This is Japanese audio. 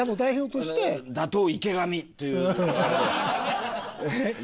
打倒池上！という。